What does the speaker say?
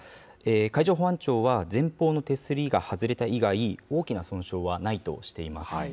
海上保安庁は、前方の手すりが外れた以外、大きな損傷はないとしています。